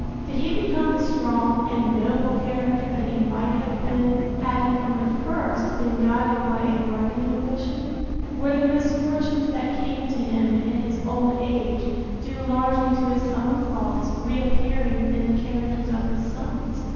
Did he become the strong and noble character that he might have been had he from the first been guided by a worthy ambition? Were the misfortunes that came to him in his old age due largely to his own faults reappearing in the characters of his sons?